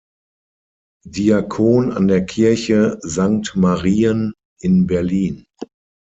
Diakon an der Kirche Sankt Marien in Berlin.